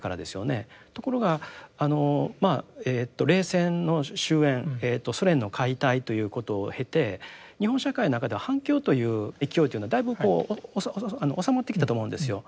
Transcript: ところがあの冷戦の終焉ソ連の解体ということを経て日本社会の中では反共という勢いというのはだいぶこう収まってきたと思うんですよ。